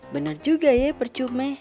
bener juga ya percume